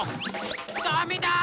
ダメだ！